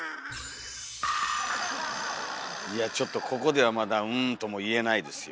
いやちょっとここではまだ「うん」とも言えないですよ。